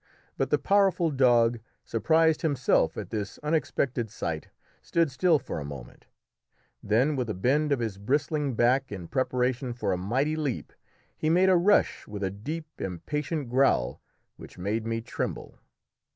But the powerful dog, surprised himself at this unexpected sight, stood still for a moment; then with a bend of his bristling back in preparation for a mighty leap, he made a rush with a deep, impatient growl which made me tremble.